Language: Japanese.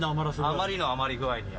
あまりの余り具合に。